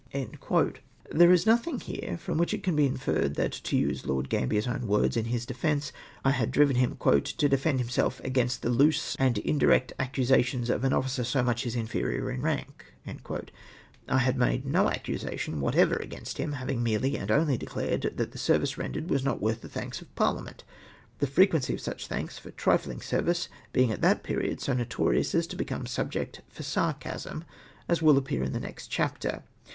W. Pole." There is notliing here from wliicli it can be inferred that — to use Lord Gambier's own words in his defence — I had driven him " to defend himself against the loose and indirect accusations of an officer so much his inferior in rank." I liad made no accusation whatever ao ainst o him, having mere!}' and only declared that the service rendered was not worth the thanks of Parhament ; the frequency of such thanks for trifling service being at that period so notorious as to become subject for sarcasm, as will appear in the next chapter.